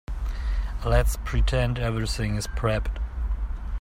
Let's pretend everything is prepped.